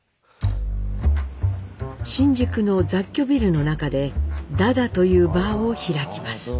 新宿の雑居ビルの中で「ダダ」というバーを開きます。